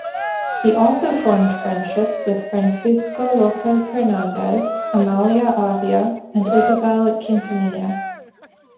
He also formed friendships with Francisco Lopez Hernandez, Amalia Avia, and Isabel Quintanilla.